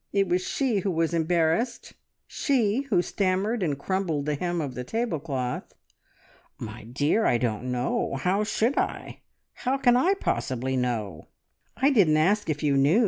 It was she who was embarrassed, she who stammered and crumbled the hem of the tablecloth. "My dear, I don't know! How should I? How can I possibly know?" "I didn't ask you if you knew.